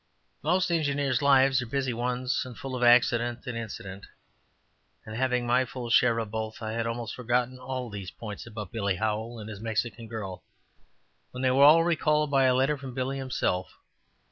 Most engineers' lives are busy ones and full of accident and incident, and having my full share of both, I had almost forgotten all these points about Billy Howell and his Mexican girl, when they were all recalled by a letter from Billy himself.